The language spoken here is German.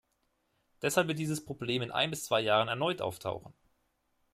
Deshalb wird dieses Problem in ein bis zwei Jahren erneut auftauchen.